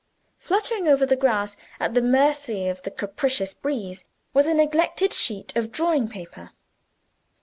Fluttering over the grass, at the mercy of the capricious breeze, was a neglected sheet of drawing paper.